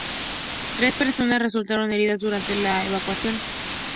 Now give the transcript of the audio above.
Tres personas resultaron heridas durante la evacuación.